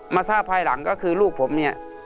ทราบภายหลังก็คือลูกผมเนี่ย